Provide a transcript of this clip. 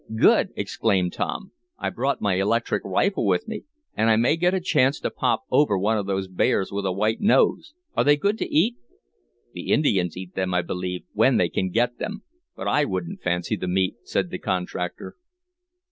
"Good!" exclaimed Tom. "I brought my electric rifle with me, and I may get a chance to pop over one of those bears with a white nose. Are they good to eat?" "The Indians eat them, I believe, when they can get them, but I wouldn't fancy the meat," said the contractor.